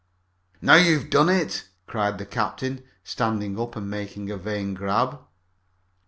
"Now you have done it!" cried the captain, standing up and making a vain grab.